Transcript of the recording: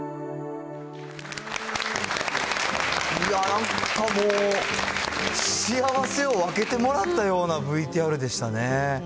なんかもう、幸せを分けてもらったようなＶＴＲでしたね。